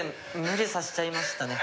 無理させちゃいましたね。